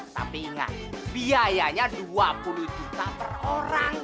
tapi ingat biayanya dua puluh juta per orang